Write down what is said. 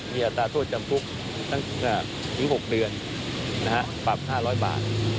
มีอัตราโทษจำคลุกถึง๖เดือนนะฮะพรรภ์๕๐๐บาท